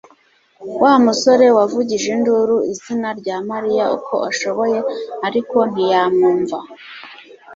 Wa musore yavugije induru izina rya Mariya uko ashoboye ariko ntiyamwumva